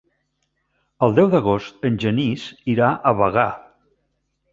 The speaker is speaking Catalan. El deu d'agost en Genís irà a Bagà.